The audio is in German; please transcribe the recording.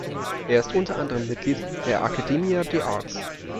Er ist unter anderem Mitglied der Academia de Artes.